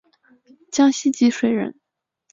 江西吉水人。